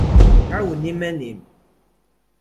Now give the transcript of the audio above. ɛawen iman-im.